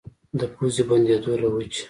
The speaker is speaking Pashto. د پوزې بندېدو له وجې